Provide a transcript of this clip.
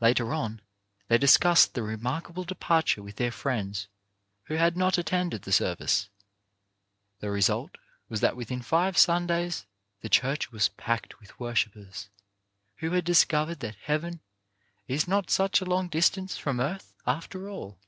Later on, they discussed the remarkable departure with their friends who had not attended the service. The result was that within five Sundays the church was packed with worshippers, who had discovered that heaven is not such a long distance from earth after all.